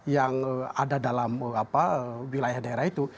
yang ada dalam wilayah daerah itu